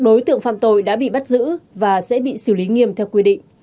đối tượng phạm tội đã bị bắt giữ và sẽ bị xử lý nghiêm theo quy định